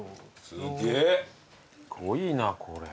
すごいなこれ。